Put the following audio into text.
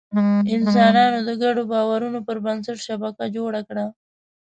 انسانانو د ګډو باورونو پر بنسټ شبکه جوړه کړه.